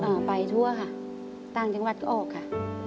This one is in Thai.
ออกไปทั่วค่ะต่างจังหวัดก็ออกค่ะ